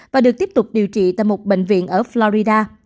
và được tiếp tục điều trị tại một bệnh viện ở florida